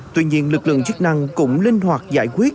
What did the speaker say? tuy nhiên lực lượng chức năng cũng linh hoạt giải quyết